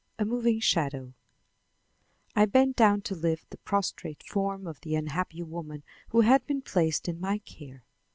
A MOVING SHADOW I bent to lift the prostrate form of the unhappy woman who had been placed in my care.